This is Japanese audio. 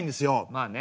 まあね。